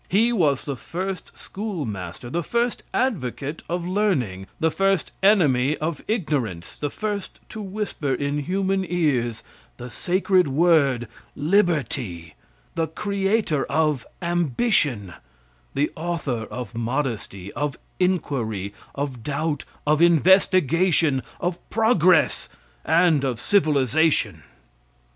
He was the first schoolmaster, the first advocate of learning, the first enemy of ignorance, the first to whisper in human ears the sacred word liberty, the creator of ambition, the author of modesty, of inquiry, of doubt, of investigation, of progress and of civilization.